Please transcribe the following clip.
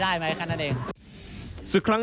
และหาย